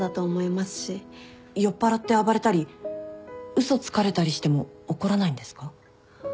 酔っぱらって暴れたり嘘つかれたりしても怒らないんですか？